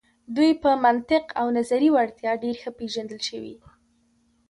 دوی په منطق او نظري وړتیا ډیر ښه پیژندل شوي.